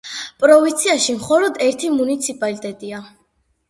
პროვინციაში მხოლოდ ერთი მუნიციპალიტეტია.